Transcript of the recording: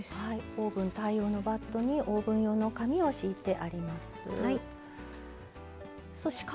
オーブン対応のバットにオーブン用の紙を敷いてあります。